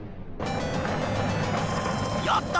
やった！